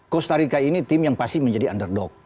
costa rica ini tim yang pasti menjadi underdog